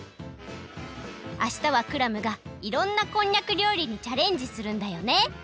あしたはクラムがいろんなこんにゃくりょうりにチャレンジするんだよね？